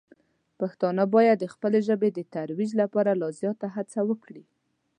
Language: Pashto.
پښتانه باید د خپلې ژبې د ترویج لپاره لا زیاته هڅه وکړي.